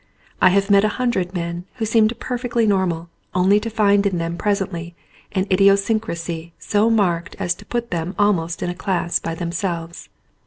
I have met a hundred men who seemed perfectly normal only to find in them presently an idiosyn crasy so marked as to put them almost in a class by themselves.